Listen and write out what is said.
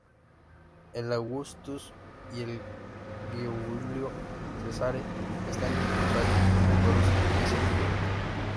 El Augustus y el Giulio Cesare eran impulsados por motores diesel Fiat.